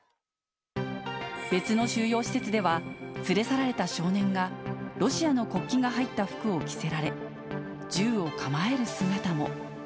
別の収容施設では、連れ去られた少年が、ロシアの国旗が入った服を着せられ、銃を構える姿も。